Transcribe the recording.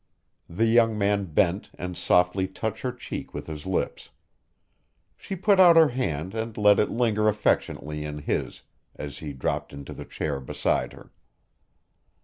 The young man bent and softly touched her cheek with his lips. She put out her hand and let it linger affectionately in his as he dropped into the chair beside her.